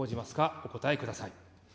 お答えください。